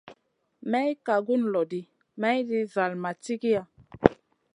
May ka gun lo ɗi, mayɗin zall ma cigiya.